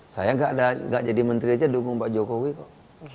saya nggak jadi menteri aja dukung pak jokowi kok